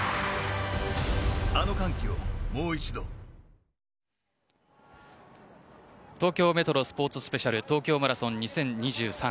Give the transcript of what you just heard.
ユニークな東京メトロスポーツスペシャル東京マラソン２０２３